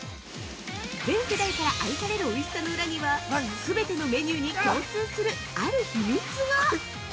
全世代から愛されるおいしさの裏には全てのメニューに共通するある秘密が！